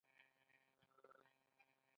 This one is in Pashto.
ایا زه باید له چا سره ویده شم؟